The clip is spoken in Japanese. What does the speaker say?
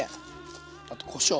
あとこしょう。